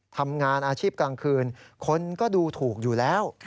ทำงานอาชีพกลางคืนคนก็ดูถูกอยู่แล้ว